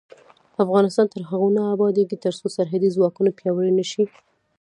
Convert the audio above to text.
افغانستان تر هغو نه ابادیږي، ترڅو سرحدي ځواکونه پیاوړي نشي.